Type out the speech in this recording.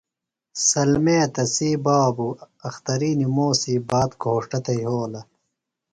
سلیمے تسی بابوۡ اختری نِموسی باد گھوݜٹہ تھےۡ یھولہ۔